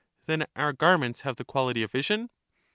Then our garments have the quality of vision.